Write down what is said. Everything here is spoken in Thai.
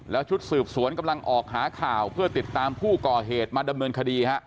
แล้วชุดสืบสวนกำลังออกหาข่าวเพื่อติดตามผู้ก่อเหตุมาดำเนินคดีฮะ